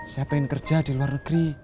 saya ingin kerja di luar negeri